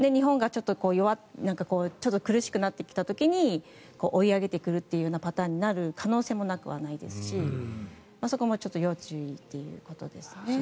なので、ここも日本がちょっと苦しくなってきた時に追い上げてくるようなパターンになる可能性もなくはないですしそこも要注意ということですね。